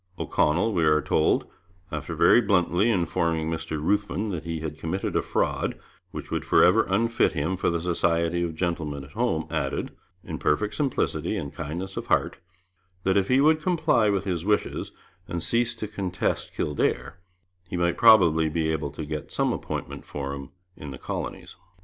O'Connell, we are told, after very bluntly informing Mr Ruthven that he had committed a fraud which would forever unfit him for the society of gentlemen at home, added, in perfect simplicity and kindness of heart, that if he would comply with his wishes and cease to contest Kildare, he might probably be able to get some appointment for him in the colonies.'